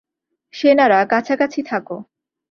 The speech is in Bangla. সেনারা, কাছাকাছি থাকো!